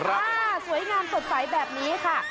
อ่าสวยงามตบไฟแบบนี้ค่ะ